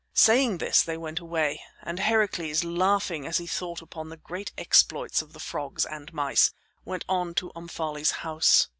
Saying this they went away, and Heracles, laughing as he thought upon the great exploits of the frogs and mice, went on to Omphale's house.